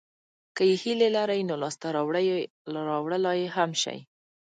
که یې هیله لرئ نو لاسته راوړلای یې هم شئ.